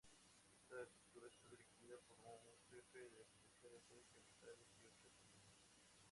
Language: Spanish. Esta estructura está dirigida por un jefe de policía, seis capitanes, y ocho tenientes.